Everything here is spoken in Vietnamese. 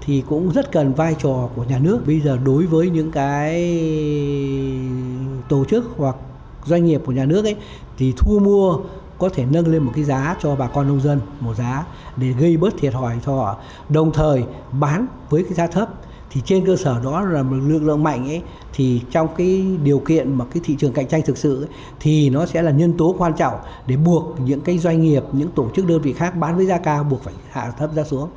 thì nó sẽ là nhân tố quan trọng để buộc những doanh nghiệp những tổ chức đơn vị khác bán với giá cao buộc phải hạ thấp giá xuống